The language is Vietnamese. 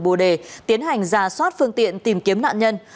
bùa đề tiến hành ra soát phương tiện tìm kiếm nạn nhân